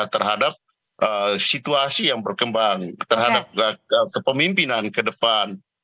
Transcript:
terhadap situasi yang berkembang terhadap kepemimpinan ke depan